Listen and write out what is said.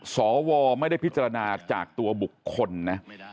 สวไม่ได้พิจารณาจากตัวบุคคลนะ